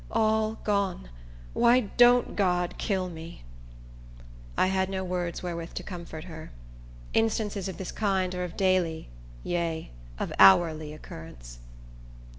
All gone! Why don't God kill me?" I had no words wherewith to comfort her. Instances of this kind are of daily, yea, of hourly occurrence.